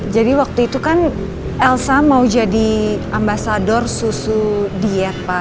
jadi waktu itu kan elsa mau jadi ambasador susu diet pa